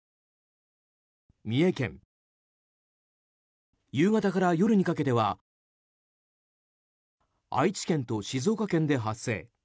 三重県夕方から夜にかけては愛知県と静岡県で発生。